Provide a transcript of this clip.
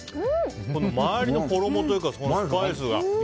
周りの衣というかスパイスが。